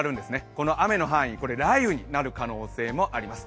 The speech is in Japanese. この雨の範囲、これは雷雨になる可能性もあります。